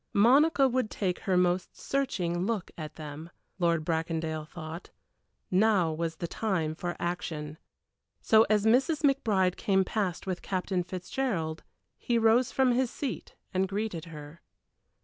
Monica would take her most searching look at them, Lord Bracondale thought; now was the time for action. So as Mrs. McBride came past with Captain Fitzgerald, he rose from his seat and greeted her.